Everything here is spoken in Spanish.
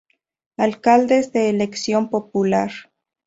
Alcaldes de elección popular